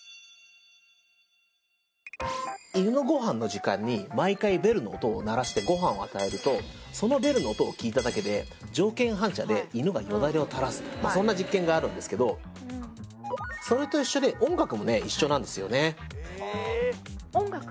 犬のごはんの時間に毎回ベルの音を鳴らしてごはんを与えるとそのベルの音を聞いただけで条件反射で犬がよだれを垂らすそんな実験があるんですけどそれと一緒で音楽もね一緒なんですよね音楽？